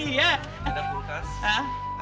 ini ada petani ya